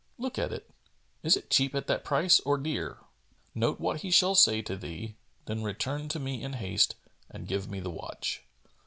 Look at it: is it cheap at that price or dear?' Note what he shall say to thee; then return to me in haste and give me the watch."